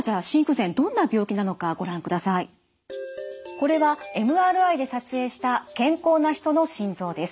これはＭＲＩで撮影した健康な人の心臓です。